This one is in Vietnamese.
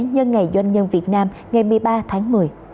nhân ngày doanh nhân việt nam ngày một mươi ba tháng một mươi